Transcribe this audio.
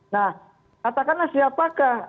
nah katakanlah siapakah